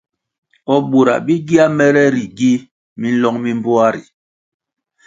O bura bi gia mere ri gi minlong mi mbpoa ri?